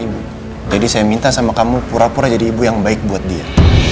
ibu jadi saya minta sama kamu pura pura jadi ibu yang baik buat dia